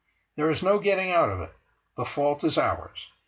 There is no getting out of it; the fault is ours.